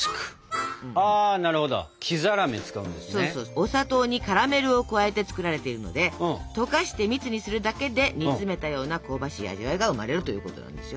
お砂糖にカラメルを加えて作られているので溶かして蜜にするだけで煮詰めたような香ばしい味わいが生まれるということなんですよ。